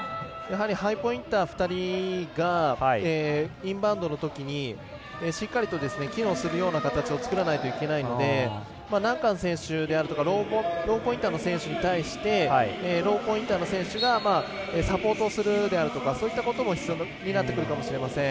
ハイポインター２人が、インバウンドのときにしっかりと機能するような形を作らないといけないのでナンカン選手であるとかローポインターの選手に対してローポインターの選手がサポートをするであるとかそういったことも必要になってくるかもしれません。